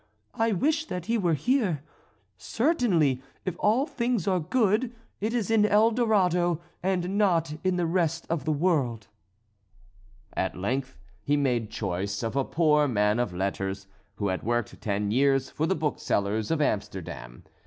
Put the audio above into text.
I wish that he were here. Certainly, if all things are good, it is in El Dorado and not in the rest of the world." At length he made choice of a poor man of letters, who had worked ten years for the booksellers of Amsterdam.